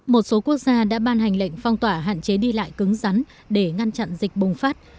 một số quốc gia đã ban hành lệnh phong tỏa hạn chế đi lại cứng rắn để ngăn chặn dịch bùng phát